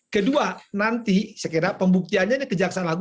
kedua nanti saya kira pembuktiannya ini kejaksaan lagu